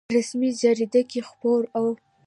په رسمي جریده کې خپور او